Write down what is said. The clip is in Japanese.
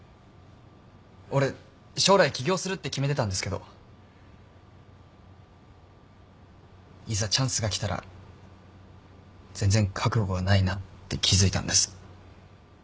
俺将来起業するって決めてたんですけどいざチャンスが来たら全然覚悟がないなって気付いたんです。